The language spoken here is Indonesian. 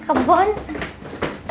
ke kebon mana